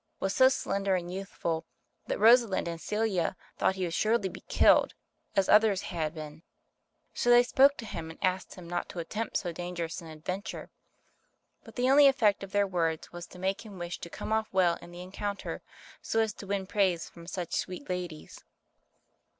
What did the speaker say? was so slender and youthful, that Rosalind and Celia thought he would surely be killed, as others had been; so they spoke to him, and asked him not to attempt so dangerous an adventure ; but the only effect of their words was to make him wish to come off well in the encounter, so as to win praise from such sweet ladies.